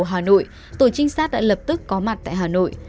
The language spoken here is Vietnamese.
hà nội tổ trinh sát đã lập tức có mặt tại hà nội